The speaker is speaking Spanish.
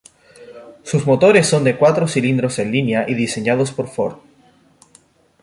Sus motores son de cuatro cilindros en línea y diseñados por Ford.